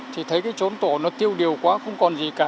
thì thấy cái chốn tổ nó tiêu điều quá không còn gì cả